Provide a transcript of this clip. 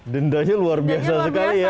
dendanya luar biasa sekali ya